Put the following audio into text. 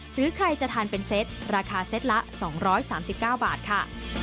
หรือใครจะทานเป็นเซตราคาเซตละ๒๓๙บาทค่ะ